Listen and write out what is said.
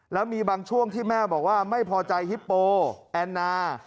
แล้วมีบางช่วงที่แม่บอกว่าไม่พอใจฮิปโปแอนนา